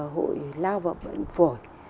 hội lao vọng bệnh phủy